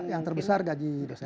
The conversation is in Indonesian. yang terbesar gaji dosen